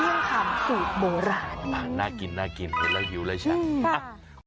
เมื่องคำสูตรโบราณน่ากินแล้วหิวแล้วใช่